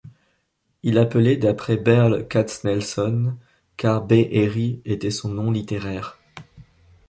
Il appelé d'après Berl Katznelson, car Be'eri était son nom littéraire.